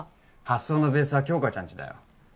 発想のベースは杏花ちゃんちだよ